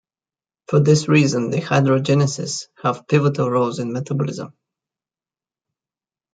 For this reason, dehydrogenases have pivotal roles in metabolism.